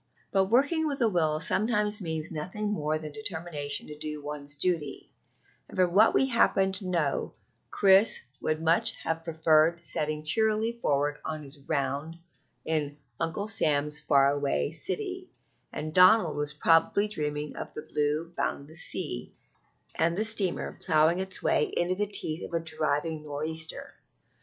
But working with a will sometimes means nothing more than determination to do one's duty; and from what we happen to know, Chris would much have preferred setting cheerily forth on his round in Uncle Sam's far away city, and Donald was probably dreaming of the blue boundless sea and the steamer ploughing its way in the teeth of a driving nor'easter.